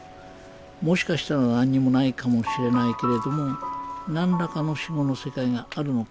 もしかしたら何にもないかもしれないけれども何らかの死後の世界があるのかもしれません。